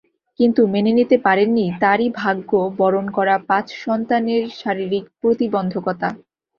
কিন্তু মেনে নিতে পারেননি তাঁরই ভাগ্য বরণ করা পাঁচ সন্তানের শারীরিক প্রতিবন্ধকতা।